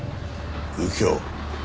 右京